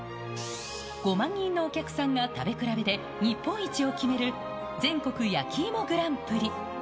５万人のお客さんが食べ比べで日本一を決める全国やきいもグランプリ。